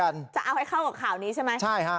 คือจะเอาให้เข้ากับข่าวนี้ใช่ไหม